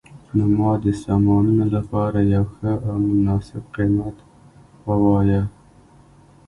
نو ما د سامانونو لپاره یو ښه او مناسب قیمت وواایه